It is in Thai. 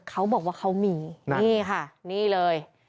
เขาบอกว่าเขามีนี่ค่ะนี่เลย